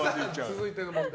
続いての問題